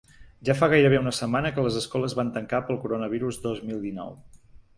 Ja fa gairebé una setmana que les escoles van tancar pel coronavirus dos mil dinou.